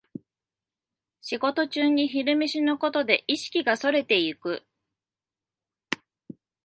仕事中に昼飯のことで意識がそれていく